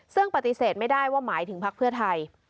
ซึ่งปฏิเสธไม่ได้ว่าหมายถึงพักเพื่อไทย